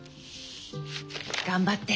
頑張って！